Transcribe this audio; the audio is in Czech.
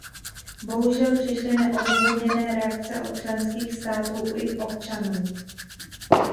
Bohužel přišly neodůvodněné reakce od členských států i občanů.